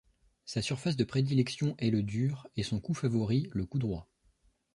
Sa surface de prédilection est le dur et son coup favori le coup droit.